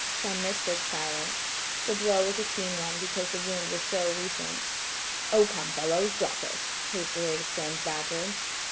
Sumner stood silent. The blow was a keen one because the wound was so recent. "Oh, come, fellows; drop it," hastily exclaimed Badger.